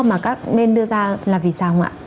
mà các bên đưa ra là vì sao ạ